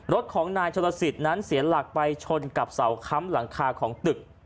รถของนายชนลสิทธิ์นั้นเสียหลักไปชนกับเสาค้ำหลังคาของตึก